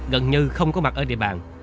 gần như không có mặt ở địa bàn